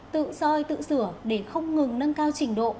tự soi tự sửa để không ngừng nâng cao trình độ